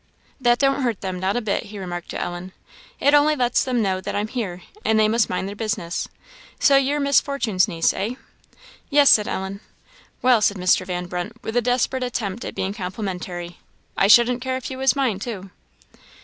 "That don't hurt them, not a bit," he remarked to Ellen "it only lets them know that I'm here, and they must mind their business. So you're Miss Fortune's niece, eh?" "Yes," said Ellen. "Well," said Mr. Van Brunt, with a desperate attempt at being complimentary, "I shouldn't care if you was mine too."